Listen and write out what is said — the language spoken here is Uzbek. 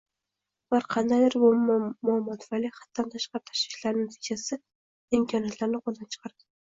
Ular qandaydir bir muamo tufayli haddan tashqari tashvishlanishi natijasida imkoniyatlarni qo‘ldan chiqaradi